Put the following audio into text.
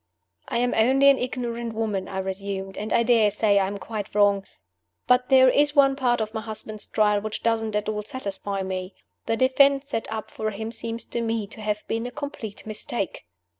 "I am only an ignorant woman," I resumed, "and I dare say I am quite wrong; but there is one part of my husband's trial which doesn't at all satisfy me. The defense set up for him seems to me to have been a complete mistake."